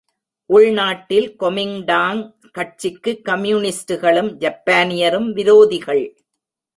உள்நாட்டில் கொமிங்டாங் கட்சிக்கு கம்யூனிஸ்டுகளும் ஜப்பானியரும் விரோதிகள்.